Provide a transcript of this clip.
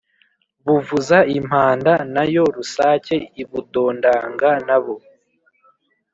bu vuza impanda, na yo rus ake ibudondanga na bo